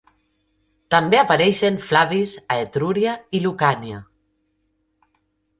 També apareixen Flavis a Etrúria i Lucània.